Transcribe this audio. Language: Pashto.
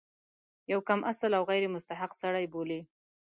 یو کم اصل او غیر مستحق سړی بولي.